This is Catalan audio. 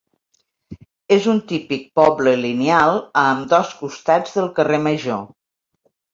És un típic poble lineal a ambdós costats del carrer Major.